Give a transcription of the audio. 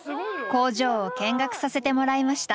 工場を見学させてもらいました。